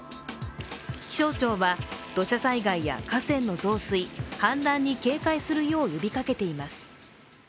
気象庁は土砂災害や河川の増水、氾濫に警戒するよう呼びかけています。